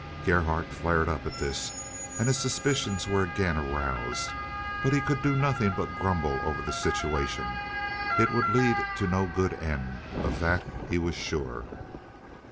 Gerhardt flared up at this, and his suspicions were again aroused. But he could do nothing but grumble over the situation; it would lead to no good end, of that he was sure.